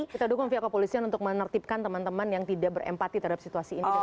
kita dukung pihak kepolisian untuk menertibkan teman teman yang tidak berempati terhadap situasi ini